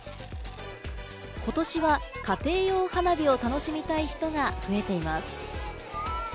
今年は家庭用花火を楽しみたい人が増えています。